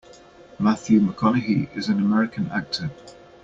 Matthew McConaughey is an American actor.